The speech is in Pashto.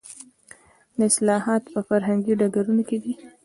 دا اصلاحات په فرهنګي ډګرونو کې دي.